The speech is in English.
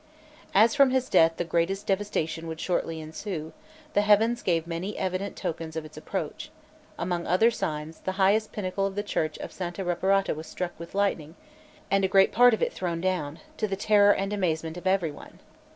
As from his death the greatest devastation would shortly ensue, the heavens gave many evident tokens of its approach; among other signs, the highest pinnacle of the church of Santa Reparata was struck with lightning, and great part of it thrown down, to the terror and amazement of everyone.